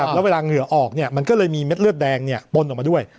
แล้วเวลาเหงื่อออกมันก็เลยมีเม็ดเลือดแดงปนออกมาด้วย